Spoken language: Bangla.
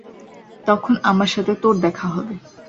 তখন আমার সাথে তোর দেখা হবে।